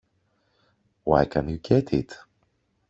Why can't you get it?